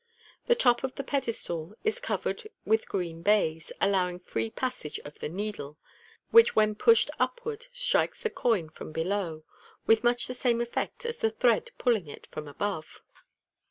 The top of the pedestal is covered with green baize, allowing free passage to the needle, which when pushed upward strikes the coin from below, with much the same effect as the thread pulling it from above.